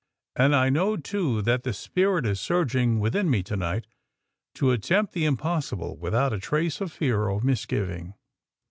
And I know, too, that the spirit is surging within me to night to attempt the impossible without a trace of fear or misgiving.